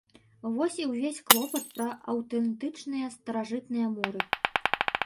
Вось і ўвесь клопат пра аўтэнтычныя старажытныя муры.